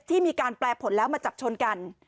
ที่มีการแปลผลแล้วมาจับชนกัน